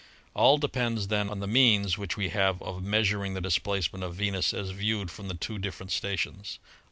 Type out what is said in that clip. All depends, then, on the means which we have of measuring the displacement of Venus as viewed from the two differ ent stations."